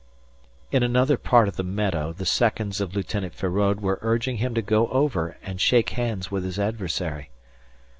In another part of the meadow the seconds of Lieutenant Feraud were urging him to go over and shake hands with his adversary.